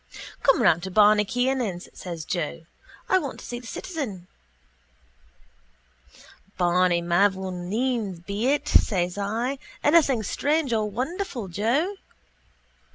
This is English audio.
—Come around to Barney Kiernan's, says Joe. I want to see the citizen. —Barney mavourneen's be it, says I. Anything strange or wonderful, Joe?